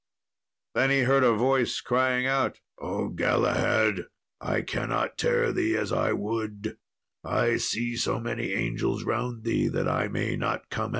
Then he heard a voice crying out, "Oh, Galahad, I cannot tear thee as I would; I see so many angels round thee, that I may not come at thee."